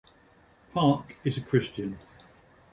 Park is a Christian.